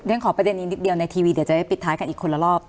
ขอประเด็นนี้นิดเดียวในทีวีเดี๋ยวจะได้ปิดท้ายกันอีกคนละรอบ